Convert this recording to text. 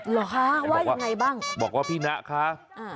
เหรอคะว่ายังไงบ้างบอกว่าพี่นะคะ